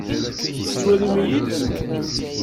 Tettwalim-iyi-d?